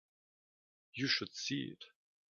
You should see it.